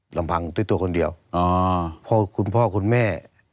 ลำพังด้วยตัวคนเดียวพ่อคุณพ่อคุณแม่